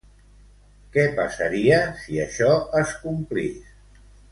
Què passaria si això es complís?